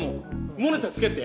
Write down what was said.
モニターつけて。